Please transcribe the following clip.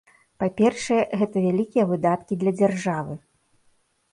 Па-першае, гэта вялікія выдаткі для дзяржавы.